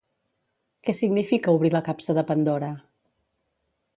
Què significa obrir la capsa de Pandora?